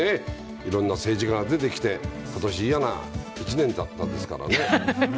いろんな政治家が出てきて嫌な１年だったですからね。